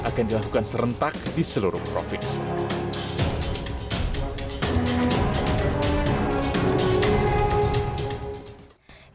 akan dilakukan serentak di seluruh provinsi